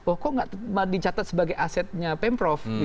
oh kok nggak dicatat sebagai asetnya pemprov